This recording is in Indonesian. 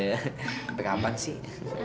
sampai kapan sih